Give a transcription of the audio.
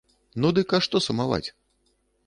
Ну дык а што сумаваць?